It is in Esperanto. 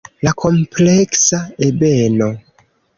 La kompleksa ebeno.